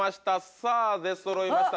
さぁ出そろいました。